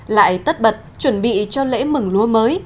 lại tất bật chuẩn bị cho lễ mừng lúa mới